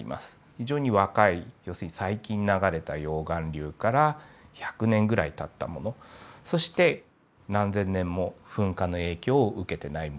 非常に若い要するに最近流れた溶岩流から１００年ぐらいたったものそして何千年も噴火の影響を受けてない森